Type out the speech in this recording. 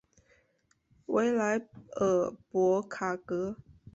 维莱尔博卡格。